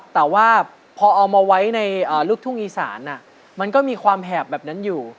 แต่ว่าพอเอามาไว้ในลูกทุ่งอีสานมันก็มีความแหบแบบนั้นอยู่